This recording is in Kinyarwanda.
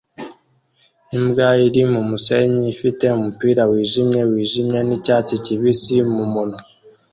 Imbwa iri mumusenyi ifite umupira wijimye wijimye nicyatsi kibisi mumunwa